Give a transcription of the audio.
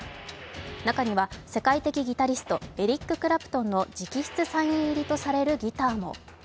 中には世界的ギタリストエリック・クラプトンの直筆サイン入りとされるギターも。